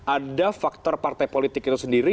ada faktor partai politik itu sendiri